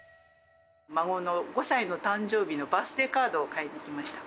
孫の５歳の誕生日のバースデーカードを買いに来ました。